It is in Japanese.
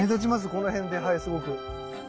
この辺ではいすごく。